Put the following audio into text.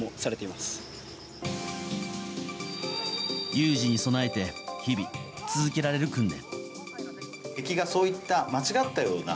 有事に備えて日々続けられる訓練。